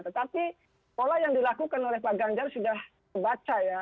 tetapi pola yang dilakukan oleh pak ganjar sudah terbaca ya